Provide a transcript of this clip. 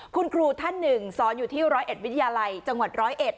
คุณครูท่านหนึ่งซ้อนอยู่ที่๑๐๑วิทยาลัยจังหวัด๑๐๑